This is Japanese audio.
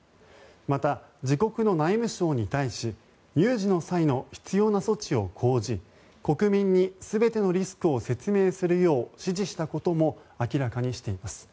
また、自国の内務相に対し有事の際の必要な措置を講じ国民に全てのリスクを説明するよう指示したことも明らかにしています。